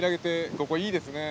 ここいいですね。